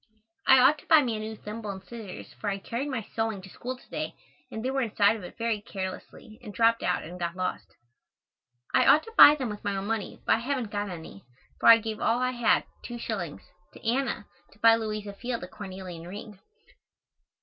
I ought to buy me a new thimble and scissors for I carried my sewing to school to day and they were inside of it very carelessly and dropped out and got lost. I ought to buy them with my own money, but I haven't got any, for I gave all I had (two shillings) to Anna to buy Louisa Field a cornelian ring.